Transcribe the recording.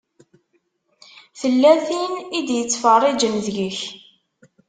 Tella tin i d-ittfeṛṛiǧen deg-k.